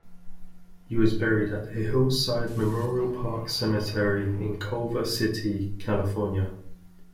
He was buried at the Hillside Memorial Park Cemetery in Culver City, California.